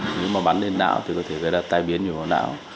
nếu mà bắn lên não thì có thể gây ra tai biến nhiều vào não